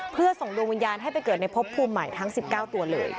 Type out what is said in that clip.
เพื่อส่งดวงวิญญาณให้ไปเกิดในพบภูมิใหม่ทั้ง๑๙ตัวเลย